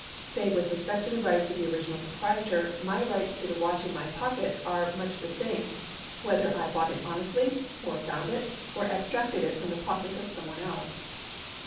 Save with respect to the rights of the original proprietor, my rights to the watch in my pocket are much the same, whether I bought it honestly, or found it, or abstracted it from the pocket of some one else.